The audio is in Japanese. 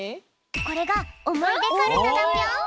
これがおもいでかるただぴょん。